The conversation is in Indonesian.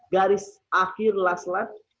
garis akhir last lap